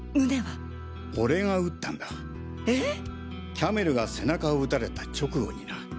キャメルが背中を撃たれた直後にな。